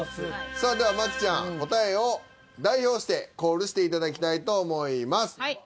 さあでは麻貴ちゃん答えを代表してコールしていただきたいと思います。